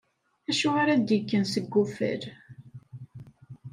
Acu ara d-ikken seg uffal?